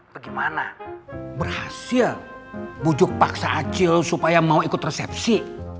bagaimana berhasil bujuk paksa acil supaya mau ikut resepsi